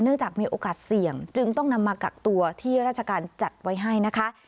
จากมีโอกาสเสี่ยงจึงต้องนำมากักตัวที่ราชการจัดไว้ให้นะคะ